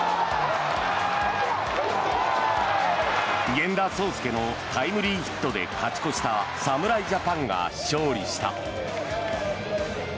源田壮亮のタイムリーヒットで勝ち越した侍ジャパンが勝利した。